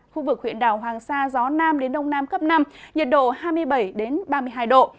khu vực huyện đảo hoàng sa gió nam đến đông nam cấp năm nhiệt độ hai mươi bảy ba mươi hai độ